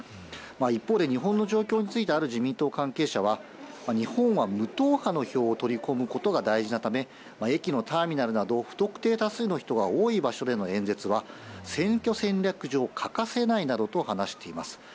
一方で、日本の状況についてある自民党関係者は、日本は無党派の票を取り込むことが大事なため、駅のターミナルなど、不特定多数の人が多い場所での演説は、選挙戦略上、欠かせないなどと話しています。